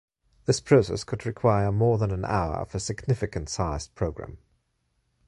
This process could require more than an hour for a significant sized program.